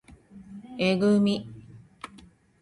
えぐみ